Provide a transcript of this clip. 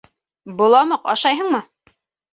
Боламыҡ ашайһыңмы?